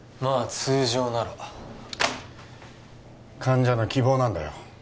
通常なら患者の希望なんだよ